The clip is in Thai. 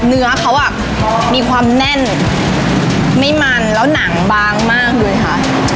เนื้อเขาอ่ะมีความแน่นไม่มันแล้วหนังบางมากเลยค่ะ